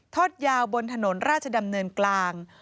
อดยาวบนถนนราชดำเนินกลาง